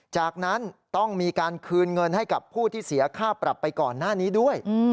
จากนั้นต้องมีการคืนเงินให้กับผู้ที่เสียค่าปรับไปก่อนหน้านี้ด้วย